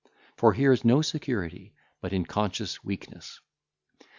For here is no security but in conscious weakness.